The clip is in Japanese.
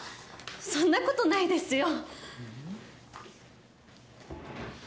そんなことないですよ。